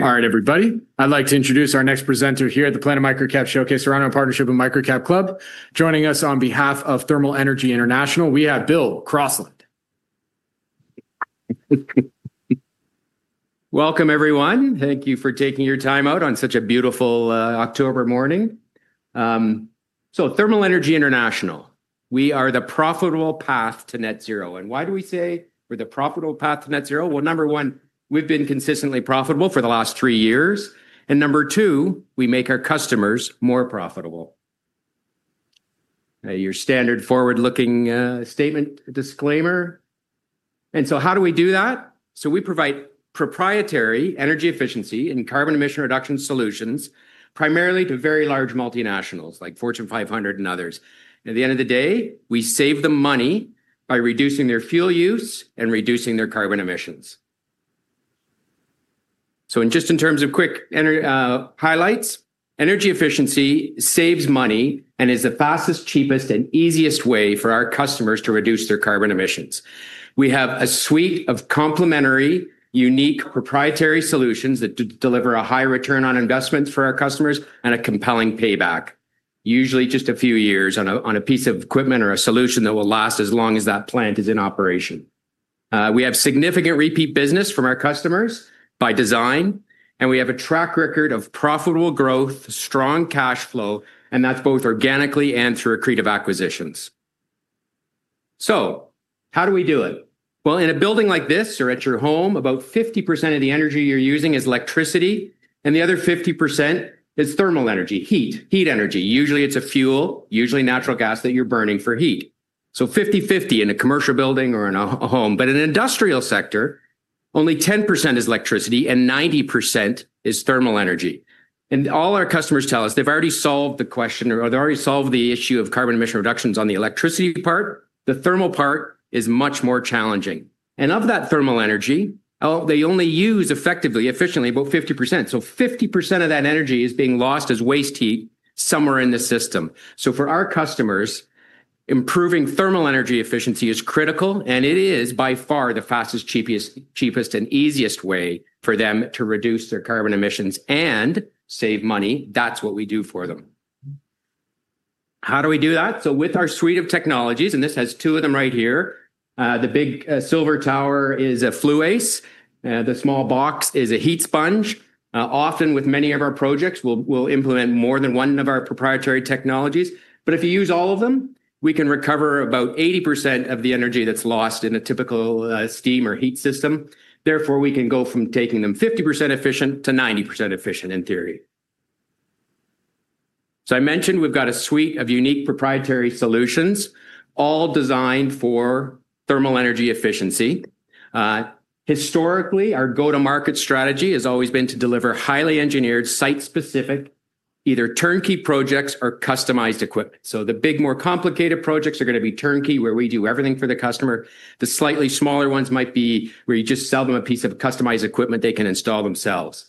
All right, everybody. I'd like to introduce our next presenter here at the Planet Microcap Showcase. We're on in partnership with Microcap Club. Joining us on behalf of Thermal Energy International, we have Bill Crossland. Welcome, everyone. Thank you for taking your time out on such a beautiful October morning. Thermal Energy International, we are the profitable path to net zero. Why do we say we're the profitable path to net zero? Number one, we've been consistently profitable for the last three years. Number two, we make our customers more profitable. Your standard forward-looking statement disclaimer. How do we do that? We provide proprietary energy efficiency and carbon emission reduction solutions primarily to very large multinationals like Fortune 500 and others. At the end of the day, we save them money by reducing their fuel use and reducing their carbon emissions. Just in terms of quick highlights, energy efficiency saves money and is the fastest, cheapest, and easiest way for our customers to reduce their carbon emissions. We have a suite of complementary, unique proprietary solutions that deliver a high return on investments for our customers and a compelling payback, usually just a few years on a piece of equipment or a solution that will last as long as that plant is in operation. We have significant repeat business from our customers by design, and we have a track record of profitable growth, strong cash flow, and that's both organically and through accretive acquisitions. How do we do it? In a building like this or at your home, about 50% of the energy you're using is electricity, and the other 50% is thermal energy, heat, heat energy. Usually, it's a fuel, usually natural gas that you're burning for heat. 50/50 in a commercial building or in a home. In an industrial sector, only 10% is electricity and 90% is thermal energy. All our customers tell us they've already solved the question or they already solved the issue of carbon emission reductions on the electricity part. The thermal part is much more challenging. Of that thermal energy, they only use effectively, efficiently about 50%. 50% of that energy is being lost as waste heat somewhere in the system. For our customers, improving thermal energy efficiency is critical, and it is by far the fastest, cheapest, and easiest way for them to reduce their carbon emissions and save money. That's what we do for them. How do we do that? With our suite of technologies, and this has two of them right here, the big silver tower is a Flu-Ace. The small box is a Heat Sponge. Often, with many of our projects, we'll implement more than one of our proprietary technologies. If you use all of them, we can recover about 80% of the energy that's lost in a typical steam or heat system. Therefore, we can go from taking them 50% efficient to 90% efficient in theory. I mentioned we've got a suite of unique proprietary solutions all designed for thermal energy efficiency. Historically, our go-to-market strategy has always been to deliver highly engineered, site-specific, either turnkey projects or customized equipment. The big, more complicated projects are going to be turnkey, where we do everything for the customer. The slightly smaller ones might be where you just sell them a piece of customized equipment they can install themselves.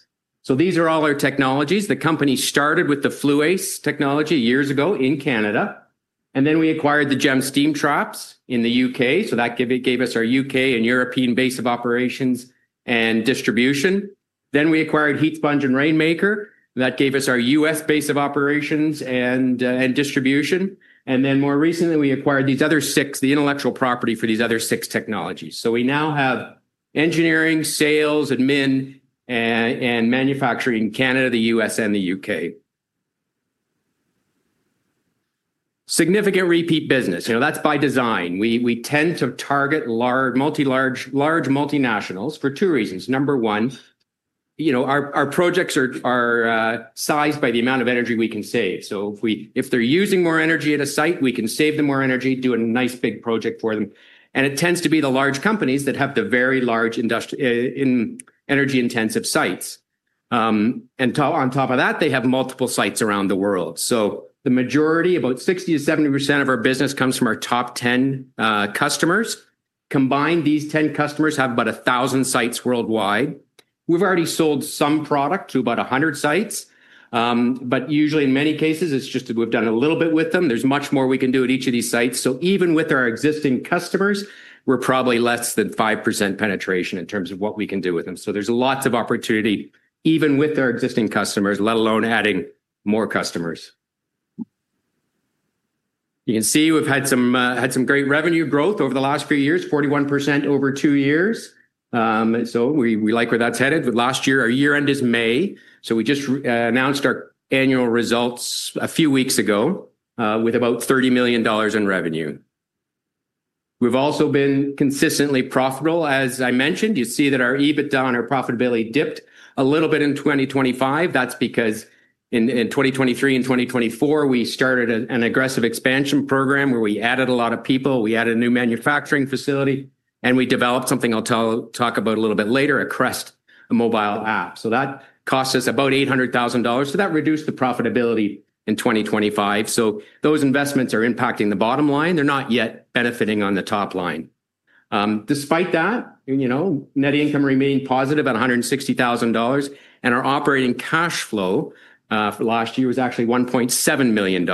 These are all our technologies. The company started with the Flu-Ace technology years ago in Canada, and then we acquired the GEM Steam Traps in the U.K.. That gave us our U.K. and European base of operations and distribution. We then acquired Heat Sponge and Rainmaker. That gave us our US base of operations and distribution. More recently, we acquired the intellectual property for these other six technologies. We now have engineering, sales, admin, and manufacturing in Canada, the U.S., and the U.K.. Significant repeat business, and that's by design. We tend to target large, multinationals for two reasons. Number one, our projects are sized by the amount of energy we can save. If they're using more energy at a site, we can save them more energy and do a nice big project for them. It tends to be the large companies that have the very large energy-intensive sites. On top of that, they have multiple sites around the world. The majority, about 60%-70% of our business, comes from our top 10 customers. Combined, these 10 customers have about 1,000 sites worldwide. We've already sold some product to about 100 sites. Usually, in many cases, it's just that we've done a little bit with them. There's much more we can do at each of these sites. Even with our existing customers, we're probably less than 5% penetration in terms of what we can do with them. There's lots of opportunity, even with our existing customers, let alone adding more customers. You can see we've had some great revenue growth over the last few years, 41% over two years. We like where that's headed. Last year, our year-end is May. We just announced our annual results a few weeks ago with about $30 million in revenue. We've also been consistently profitable. As I mentioned, you see that our EBITDA, our profitability dipped a little bit in 2025. That's because in 2023 and 2024, we started an aggressive expansion program where we added a lot of people, we added a new manufacturing facility, and we developed something I'll talk about a little bit later, a Crest mobile app. That cost us about $800,000. That reduced the profitability in 2025. Those investments are impacting the bottom line. They're not yet benefiting on the top line. Despite that, net income remained positive at $160,000, and our operating cash flow for last year was actually $1.7 million.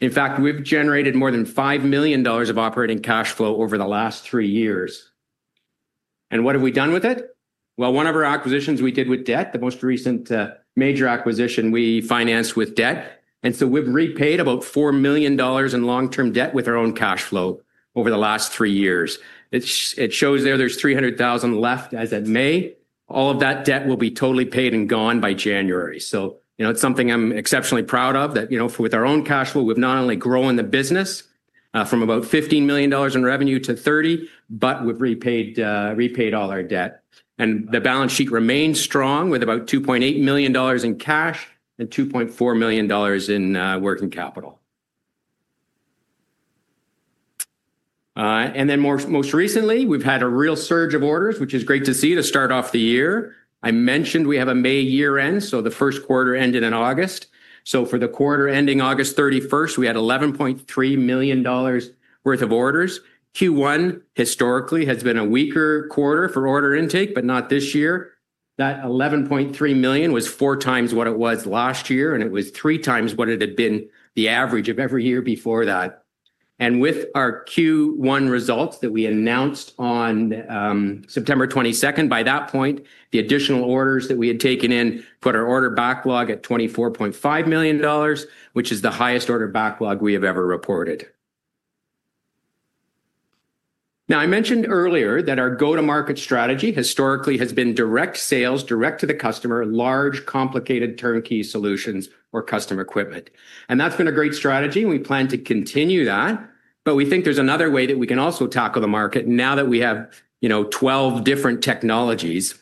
In fact, we've generated more than $5 million of operating cash flow over the last three years. What have we done with it? One of our acquisitions we did with debt, the most recent major acquisition we financed with debt. We've repaid about $4 million in long-term debt with our own cash flow over the last three years. It shows there there's $300,000 left as of May. All of that debt will be totally paid and gone by January. It's something I'm exceptionally proud of that, with our own cash flow, we've not only grown the business from about $15 million in revenue to $30 million, but we've repaid all our debt. The balance sheet remains strong with about $2.8 million in cash and $2.4 million in working capital. Most recently, we've had a real surge of orders, which is great to see to start off the year. I mentioned we have a May year-end. The first quarter ended in August. For the quarter ending August 31st, we had $11.3 million worth of orders. Q1 historically has been a weaker quarter for order intake, but not this year. That $11.3 million was 4x what it was last year, and it was 3x what it had been the average of every year before that. With our Q1 results that we announced on September 22nd, by that point, the additional orders that we had taken in put our order backlog at $24.5 million, which is the highest order backlog we have ever reported. I mentioned earlier that our go-to-market strategy historically has been direct sales, direct to the customer, large complicated turnkey solutions or custom equipment. That's been a great strategy, and we plan to continue that. We think there's another way that we can also tackle the market now that we have, you know, 12 different technologies.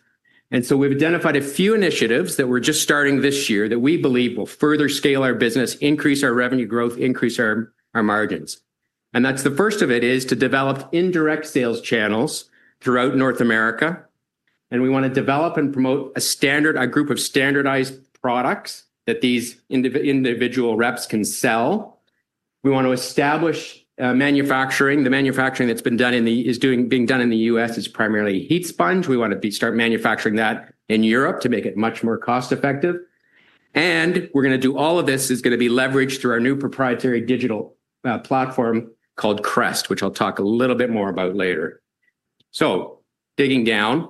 We've identified a few initiatives that we're just starting this year that we believe will further scale our business, increase our revenue growth, and increase our margins. The first of it is to develop indirect sales channels throughout North America. We want to develop and promote a group of standardized products that these individual reps can sell. We want to establish manufacturing. The manufacturing that's been done in the U.S. is primarily Heat Sponge. We want to start manufacturing that in Europe to make it much more cost-effective. We're going to do all of this leveraged through our new proprietary digital platform called Crest, which I'll talk a little bit more about later. Digging down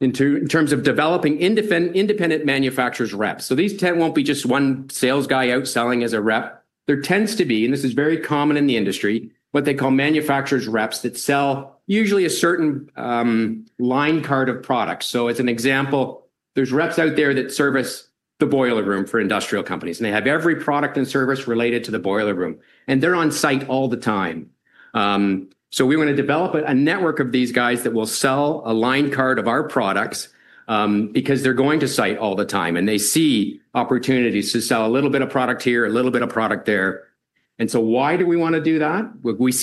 in terms of developing independent manufacturers’ reps, these won't be just one sales guy out selling as a rep. There tends to be, and this is very common in the industry, what they call manufacturers' reps that sell usually a certain line card of products. As an example, there are reps out there that service the boiler room for industrial companies, and they have every product and service related to the boiler room, and they're on site all the time. We want to develop a network of these guys that will sell a line card of our products because they're going to site all the time, and they see opportunities to sell a little bit of product here, a little bit of product there. We see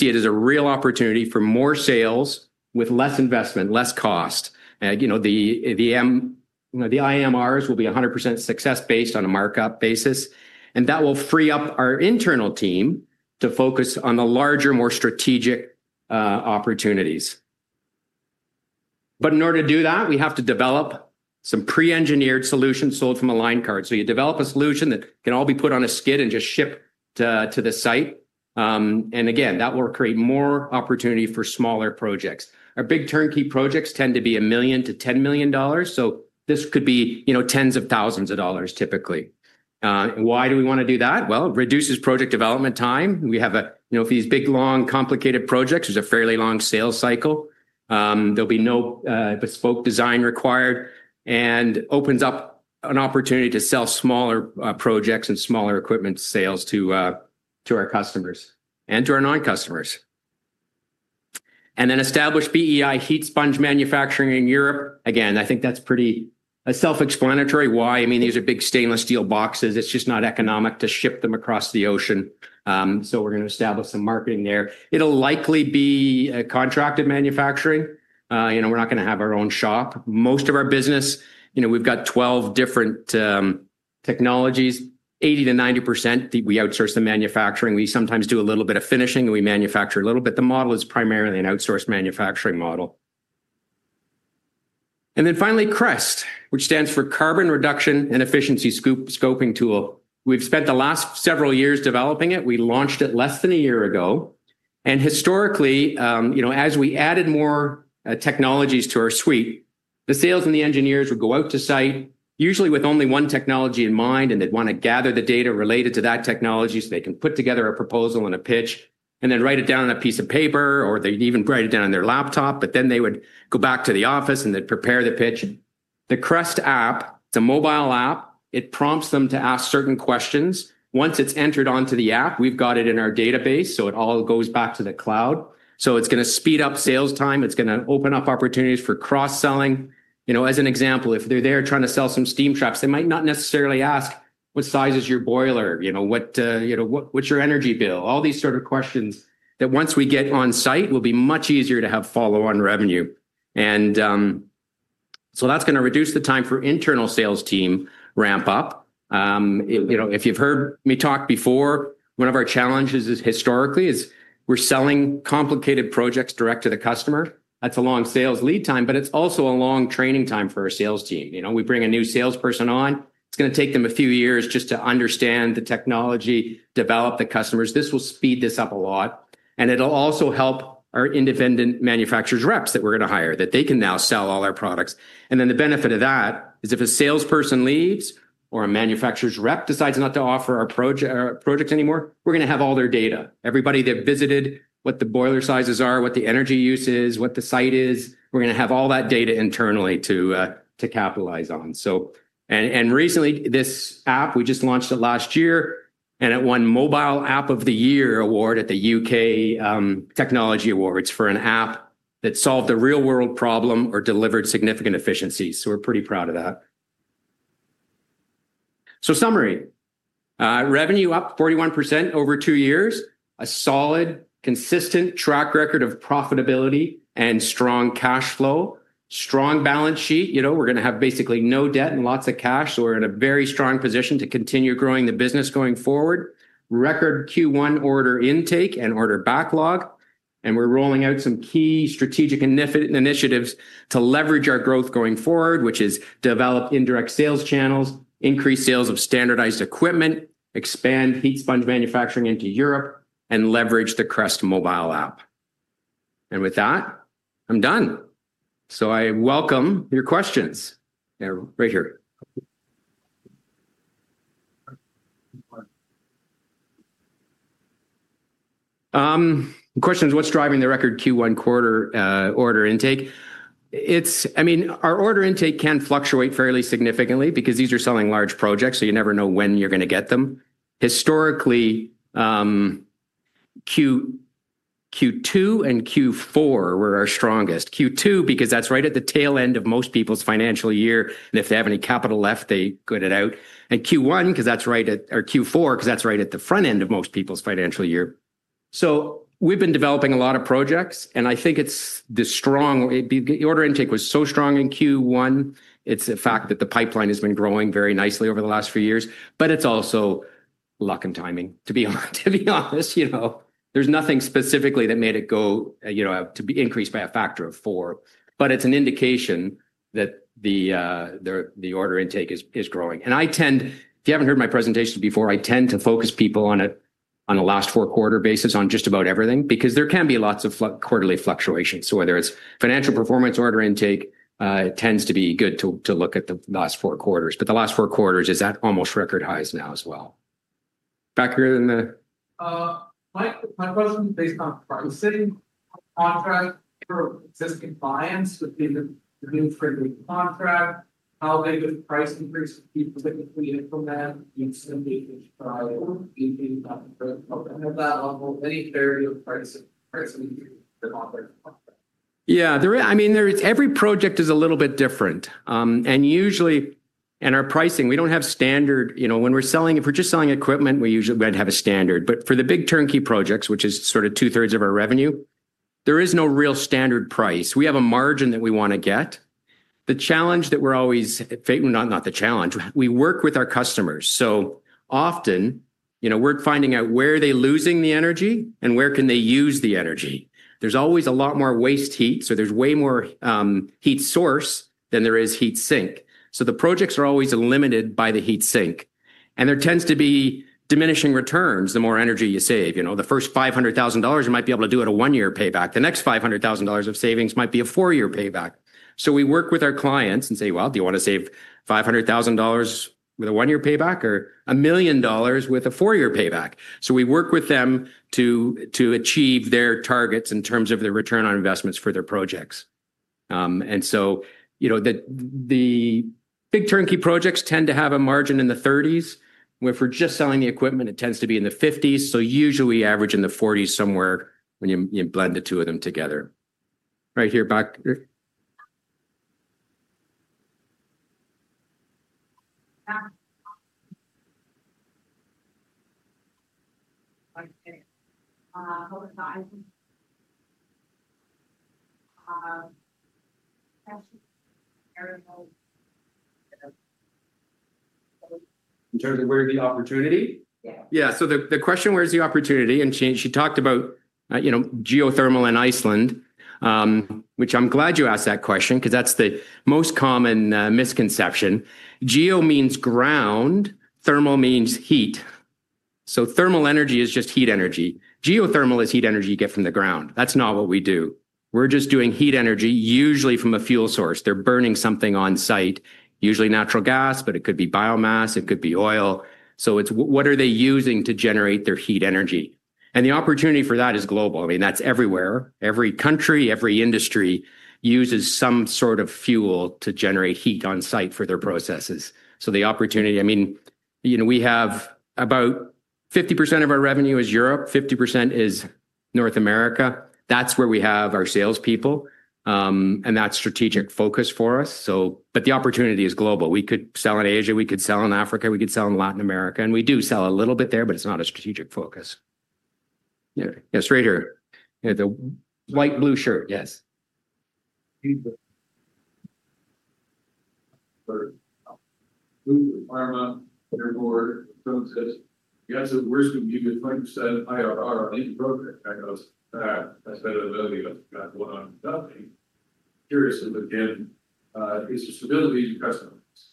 it as a real opportunity for more sales with less investment, less cost. The IMRs will be 100% success-based on a markup basis, and that will free up our internal team to focus on the larger, more strategic opportunities. In order to do that, we have to develop some pre-engineered solutions sold from a line card. You develop a solution that can all be put on a skid and just shipped to the site. That will create more opportunity for smaller projects. Our big turnkey projects tend to be $1 million-$10 million. This could be, you know, tens of thousands of dollars typically. It reduces project development time. For these big, long, complicated projects, there's a fairly long sales cycle. There'll be no bespoke design required, and it opens up an opportunity to sell smaller projects and smaller equipment sales to our customers and to our non-customers. Then establish Heat Sponge manufacturing in Europe. Again, I think that's pretty self-explanatory. Why? I mean, these are big stainless steel boxes. It's just not economic to ship them across the ocean. We're going to establish some marketing there. It'll likely be contracted manufacturing. We're not going to have our own shop. Most of our business, we've got 12 different technologies, 80%-90% that we outsource the manufacturing. We sometimes do a little bit of finishing, and we manufacture a little bit. The model is primarily an outsourced manufacturing model. Finally, Crest, which stands for Carbon Reduction and Efficiency Scoping Tool. We've spent the last several years developing it. We launched it less than a year ago. Historically, as we added more technologies to our suite, the sales and the engineers would go out to site, usually with only one technology in mind, and they'd want to gather the data related to that technology so they can put together a proposal and a pitch, and then write it down on a piece of paper or they'd even write it down on their laptop. They would go back to the office and then prepare the pitch. The Crest app, it's a mobile app. It prompts them to ask certain questions. Once it's entered onto the app, we've got it in our database, so it all goes back to the cloud. It's going to speed up sales time. It's going to open up opportunities for cross-selling. For example, if they're there trying to sell some steam traps, they might not necessarily ask, "What size is your boiler? What's your energy bill?" All these sort of questions that once we get on site will be much easier to have follow-on revenue. That's going to reduce the time for internal sales team ramp up. If you've heard me talk before, one of our challenges historically is we're selling complicated projects direct to the customer. That's a long sales lead time, but it's also a long training time for our sales team. We bring a new salesperson on. It's going to take them a few years just to understand the technology, develop the customers. This will speed this up a lot. It'll also help our independent manufacturers’ representatives that we're going to hire, that they can now sell all our products. The benefit of that is if a salesperson leaves or a manufacturer's rep decides not to offer our projects anymore, we're going to have all their data. Everybody that visited, what the boiler sizes are, what the energy use is, what the site is, we're going to have all that data internally to capitalize on. Recently, this app, we just launched it last year, and it won Mobile App of the Year award at the UK Technology Awards for an app that solved a real-world problem or delivered significant efficiencies. We're pretty proud of that. Summary, revenue up 41% over two years, a solid, consistent track record of profitability and strong cash flow, strong balance sheet. We're going to have basically no debt and lots of cash. We're in a very strong position to continue growing the business going forward. Record Q1 order intake and order backlog. We're rolling out some key strategic initiatives to leverage our growth going forward, which is develop indirect sales channels, increase sales of standardized equipment, expand Heat Sponge manufacturing into Europe, and leverage the Crest mobile app. With that, I'm done. I welcome your questions. Yeah, right here. Questions, what's driving the record Q1 order intake? Our order intake can fluctuate fairly significantly because these are selling large projects, so you never know when you're going to get them. Historically, Q2 and Q4 were our strongest. Q2, because that's right at the tail end of most people's financial year, and if they have any capital left, they get it out. Q4, because that's right at the front end of most people's financial year. We've been developing a lot of projects, and I think the strong order intake was so strong in Q1. It's a fact that the pipeline has been growing very nicely over the last few years, but it's also luck and timing, to be honest. There's nothing specifically that made it go, you know, to be increased by a factor of four, but it's an indication that the order intake is growing. If you haven't heard my presentation before, I tend to focus people on a last four quarter basis on just about everything because there can be lots of quarterly fluctuations. Whether it's financial performance or order intake, it tends to be good to look at the last four quarters. The last four quarters is at almost record highs now as well. Back here in the... My question is based on pricing contracts. For existing clients within the new trending contract, how big of a price increase would it be for them? At that level, any clarity of pricing? Yeah, I mean, every project is a little bit different. Usually, in our pricing, we don't have standard, you know, when we're selling, if we're just selling equipment, we usually have a standard. For the big turnkey projects, which is sort of two-thirds of our revenue, there is no real standard price. We have a margin that we want to get. The challenge that we're always, we work with our customers. Often, you know, we're finding out where are they losing the energy and where can they use the energy. There's always a lot more waste heat. There's way more heat source than there is heat sink. The projects are always limited by the heat sink, and there tends to be diminishing returns the more energy you save. The first $500,000, you might be able to do it at a one-year payback. The next $500,000 of savings might be a four-year payback. We work with our clients and say, do you want to save $500,000 with a one-year payback or a million dollars with a four-year payback? We work with them to achieve their targets in terms of the return on investments for their projects. The big turnkey projects tend to have a margin in the 30s. If we're just selling the equipment, it tends to be in the 50s. Usually, we average in the 40s somewhere when you blend the two of them together. Right here, back. In terms of where's the opportunity? Yeah, so the question, where's the opportunity? She talked about, you know, geothermal in Iceland, which I'm glad you asked that question because that's the most common misconception. Geo means ground, thermal means heat. So thermal energy is just heat energy. Geothermal is heat energy you get from the ground. That's not what we do. We're just doing heat energy usually from a fuel source. They're burning something on site, usually natural gas, but it could be biomass, it could be oil. It's what are they using to generate their heat energy? The opportunity for that is global. I mean, that's everywhere. Every country, every industry uses some sort of fuel to generate heat on site for their processes. The opportunity, I mean, you know, we have about 50% of our revenue is Europe, 50% is North America. That's where we have our salespeople, and that's strategic focus for us. The opportunity is global. We could sell in Asia, we could sell in Africa, we could sell in Latin America. We do sell a little bit there, but it's not a strategic focus. Yeah, straight here. The white blue shirt, yes. The requirement there for the process. You had some, worst of you get 20% IRR on any project. I know that's better than nobody else got one on nothing. Curious to look in. Is the stability in your customer base?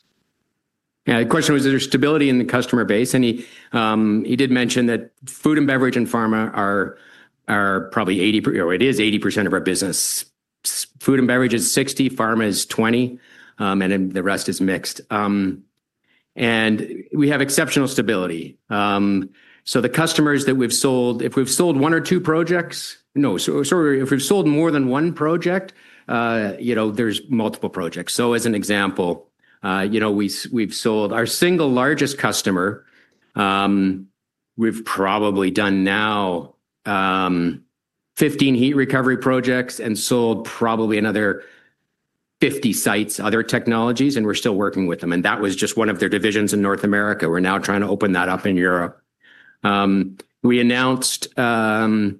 Yeah, the question was, is there stability in the customer base? He did mention that food and beverage and pharma are probably 80% of our business. Food and beverage is 60%, pharma is 20%, and then the rest is mixed. We have exceptional stability. The customers that we've sold, if we've sold more than one project, there's multiple projects. As an example, we've sold our single largest customer. We've probably done now 15 heat recovery projects and sold probably another 50 sites, other technologies, and we're still working with them. That was just one of their divisions in North America. We're now trying to open that up in Europe. We announced pharma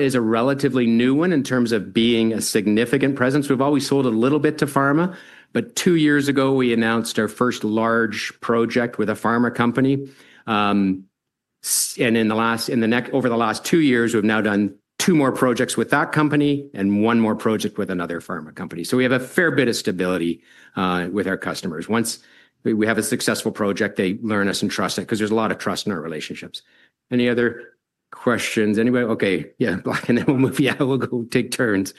is a relatively new one in terms of being a significant presence. We've always sold a little bit to pharma, but two years ago, we announced our first large project with a pharma company. Over the last two years, we've now done two more projects with that company and one more project with another pharma company. We have a fair bit of stability with our customers. Once we have a successful project, they learn us and trust us because there's a lot of trust in our relationships. Any other questions? Anybody? Okay, yeah, and then we'll move you out. We'll go take turns.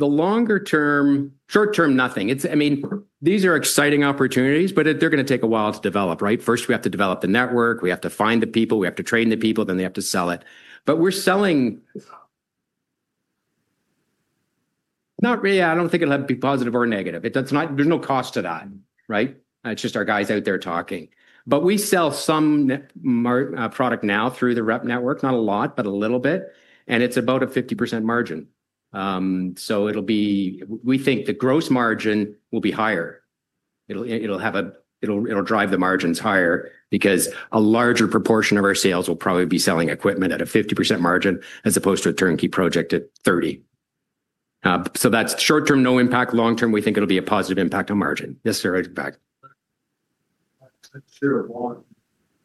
The longer term, short term, nothing. These are exciting opportunities, but they're going to take a while to develop, right? First, we have to develop the network. We have to find the people. We have to train the people. Then they have to sell it. We're selling, not really, I don't think it'll have to be positive or negative. There's no cost to that, right? It's just our guys out there talking. We sell some product now through the rep network, not a lot, but a little bit. It's about a 50% margin. We think the gross margin will be higher. It'll drive the margins higher because a larger proportion of our sales will probably be selling equipment at a 50% margin as opposed to a turnkey project at 30%. That's short term, no impact. Long term, we think it'll be a positive impact on margin. Yes, sir. I'm not sure about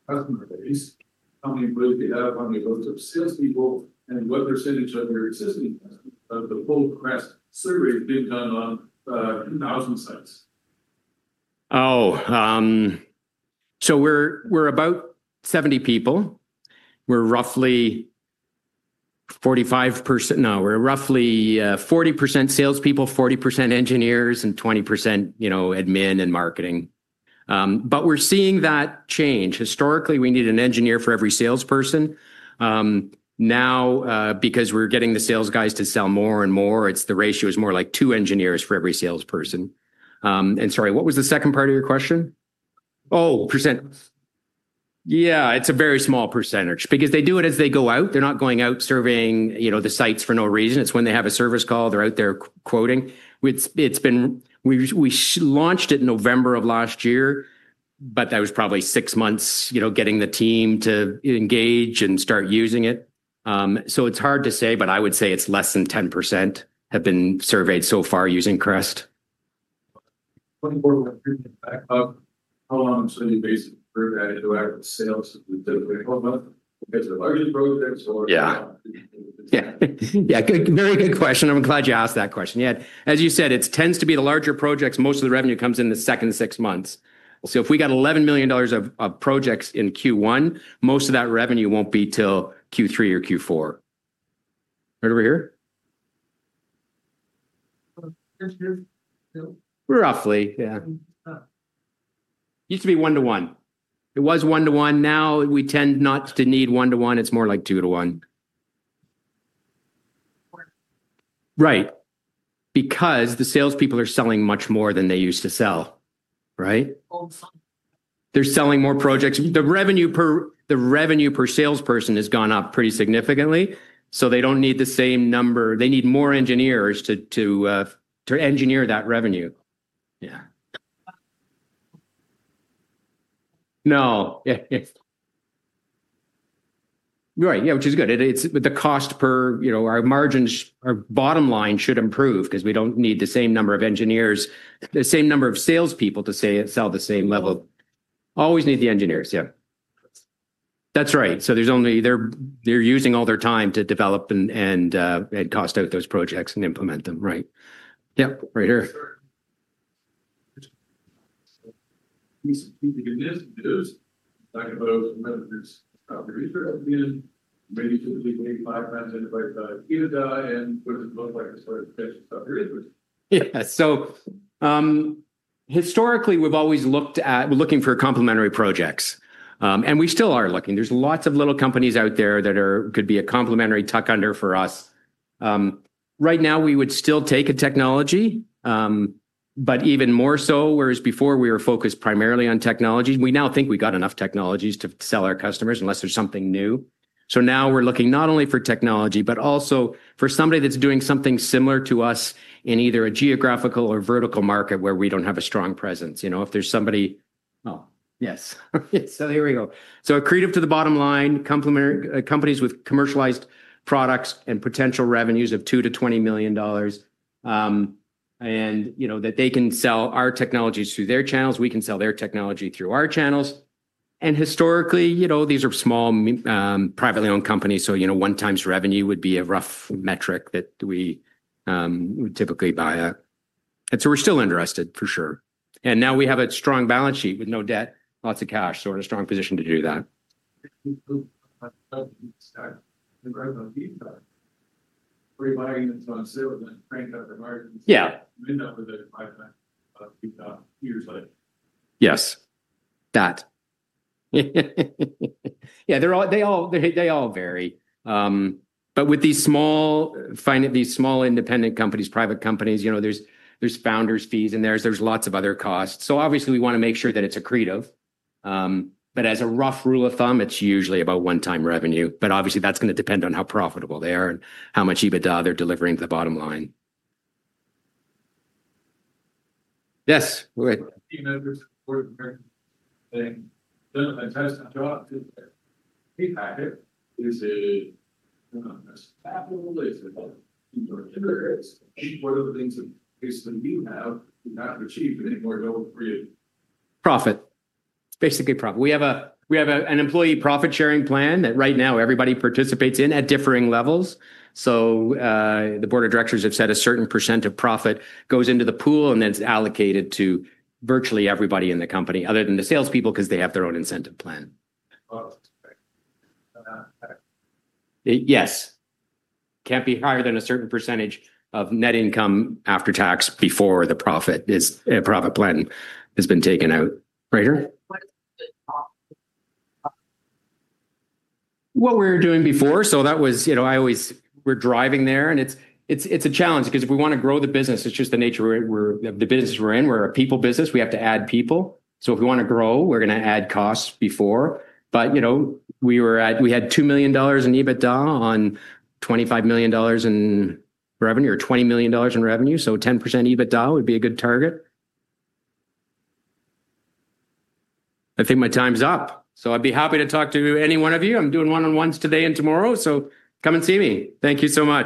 customer base. How many employees do you have? How many of those are salespeople? What percentage of your existing customers? The full Crest survey has been done on 10,000 sites. Oh, so we're about 70 people. We're roughly 40% salespeople, 40% engineers, and 20% admin and marketing. We're seeing that change. Historically, we need an engineer for every salesperson. Now, because we're getting the sales guys to sell more and more, the ratio is more like two engineers for every salesperson. Sorry, what was the second part of your question? Oh, percent. Yeah, it's a very small percentage because they do it as they go out. They're not going out serving the sites for no reason. It's when they have a service call, they're out there quoting. We launched it in November of last year, but that was probably six months getting the team to engage and start using it. It's hard to say, but I would say it's less than 10% have been surveyed so far using Crest. How long on a daily basis per added to average sales? Is it typically 12 months? Because the larger projects are... Very good question. I'm glad you asked that question. As you said, it tends to be the larger projects. Most of the revenue comes in the second six months. If we got $11 million of projects in Q1, most of that revenue won't be till Q3 or Q4, roughly. It used to be one-to-one. It was one-to-one. Now we tend not to need one-to-one. It's more like two-to-one because the salespeople are selling much more than they used to sell. They're selling more projects. The revenue per salesperson has gone up pretty significantly, so they don't need the same number. They need more engineers to engineer that revenue, which is good. With the cost per, you know, our margins, our bottom line should improve because we don't need the same number of engineers, the same number of salespeople to sell the same level. Always need the engineers. That's right. They're using all their time to develop and cost out those projects and implement them. We should speak to your next news. Talk about some benefits of the research at the end. Maybe typically wait five times in to invite the EBITDA, and what does it look like as far as potential stuff? Yeah. Historically, we've always looked at, we're looking for complementary projects. We still are looking. There's lots of little companies out there that could be a complementary tuck under for us. Right now, we would still take a technology, but even more so, whereas before we were focused primarily on technology, we now think we got enough technologies to sell our customers unless there's something new. Now we're looking not only for technology, but also for somebody that's doing something similar to us in either a geographical or vertical market where we don't have a strong presence. If there's somebody. Oh, yes. Here we go. Accretive to the bottom line, complementary companies with commercialized products and potential revenues of $2 million-$20 million. You know that they can sell our technologies through their channels. We can sell their technology through our channels. Historically, these are small privately owned companies. One-time revenue would be a rough metric that we would typically buy at. We're still interested for sure. Now we have a strong balance sheet with no debt, lots of cash. We're in a strong position to do that. Where are you buying them from? We're going to crank up the margins. Yeah. That was at 5% a few years later. Yes, they all vary. With these small independent companies, private companies, you know, there's founders' fees and there's lots of other costs. We want to make sure that it's accretive. As a rough rule of thumb, it's usually about one-time revenue. That's going to depend on how profitable they are and how much EBITDA they're delivering to the bottom line. Yes. Capital is a key driver. It's one of the things that basically you have to achieve in order to create profit. Basically, profit. We have an employee profit sharing plan that right now everybody participates in at differing levels. The Board of Directors have said a certain percent of profit goes into the pool and then is allocated to virtually everybody in the company other than the salespeople because they have their own incentive plan. It can't be higher than a certain percentage of net income after tax before the profit plan has been taken out. What we were doing before, that was, you know, always driving there. It's a challenge because if we want to grow the business, it's just the nature of the business we're in. We're a people business. We have to add people. If we want to grow, we're going to add costs before. We had $2 million in EBITDA on $25 million in revenue or $20 million in revenue. 10% EBITDA would be a good target. I think my time's up. I'd be happy to talk to any one of you. I'm doing one-on-ones today and tomorrow. Come and see me. Thank you so much.